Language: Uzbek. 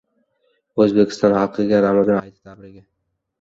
O‘zbekiston xalqiga Ramazon hayiti tabrigi